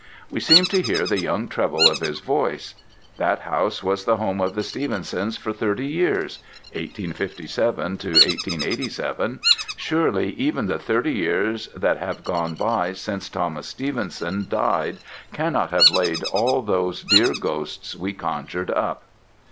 We seemed to hear the young treble of his voice. That house was the home of the Stevensons for thirty years (1857 1887)—surely even the thirty years that have gone by since Thomas Stevenson died cannot have laid all those dear ghosts we conjured up!